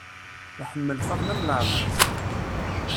Iḥemmel Faḍma am leɛmer-is.